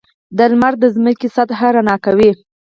• لمر د ځمکې سطحه رڼا کوي.